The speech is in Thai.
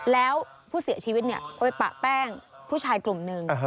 แล้วผู้เสียชีวิตไปปะแป้งผู้ชายกลุ่มหนึ่ง